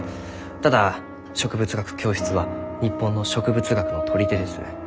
ただ植物学教室は日本の植物学の砦です。